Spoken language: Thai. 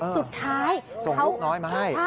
สุดท้ายใช่ส่งลูกน้อยมาให้ส่งลูกน้อย